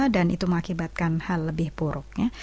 dan itu mengakibatkan hal lebih buruknya